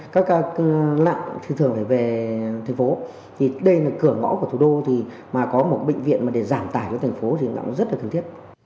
các lạng thường phải về thành phố thì đây là cửa ngõ của thủ đô mà có một bệnh viện để giảm tài cho thành phố thì rất là cần thiết